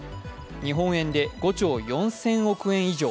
日本円で５兆４０００億円以上。